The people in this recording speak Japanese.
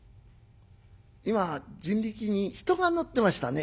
「今人力に人が乗ってましたね」。